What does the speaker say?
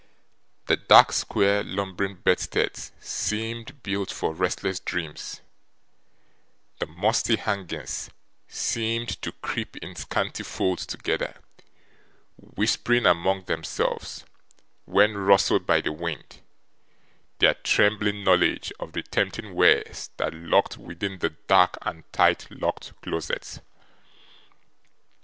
The dark square lumbering bedsteads seemed built for restless dreams; the musty hangings seemed to creep in scanty folds together, whispering among themselves, when rustled by the wind, their trembling knowledge of the tempting wares that lurked within the dark and tight locked closets.